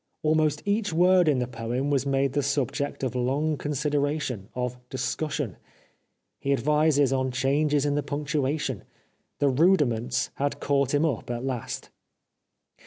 Almost each word in the poem was made the subject of long consideration, of discussion. He advises on changes in the punctuation. The rudiments had caught him up at last.